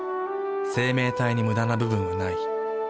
生命体にムダな部分はない。